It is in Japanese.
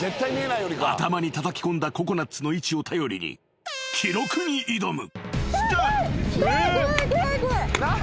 ［頭にたたき込んだココナツの位置を頼りに記録に挑む］